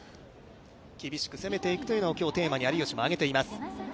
厳しく攻めていくというのをテーマに今日、有吉も挙げています。